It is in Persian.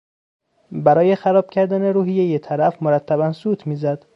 برای خراب کردن روحیهی طرف مرتبا سوت میزد.